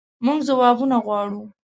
مونږ ځوابونه غواړو